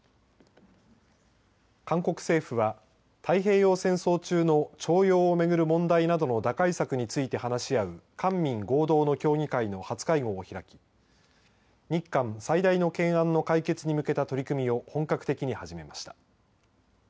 韓国政府は、太平洋戦争中の徴用を巡る問題などの打開策について話し合う官民合同の協議会の初会合を開き日韓最大の懸案の解決に向けた取り組みを本格的に始めました。